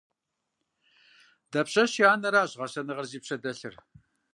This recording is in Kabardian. Дапщэщи анэращ гъэсэныгъэр зи пщэ дэлъыр.